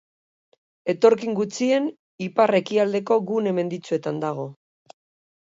Etorkin gutxien ipar-ekialdeko gune menditsuenetan dago.